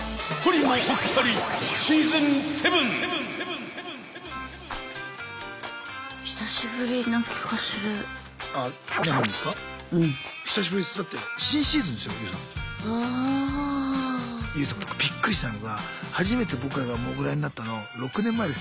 ＹＯＵさん僕びっくりしたのが初めて僕らがモグラになったの６年前ですね。